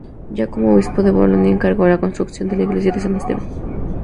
Ya como obispo de Bolonia, encargó la construcción de la iglesia de San Esteban.